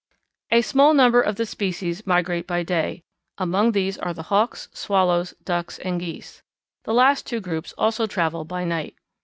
A small number of the species migrate by day; among these are the Hawks, Swallows, Ducks, and Geese. The last two groups also travel by night.